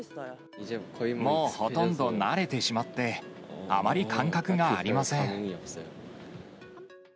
もうほとんど慣れてしまって、あまり感覚がありません。